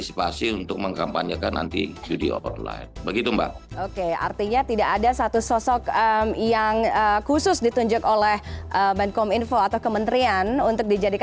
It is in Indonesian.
selamat sore pak menteri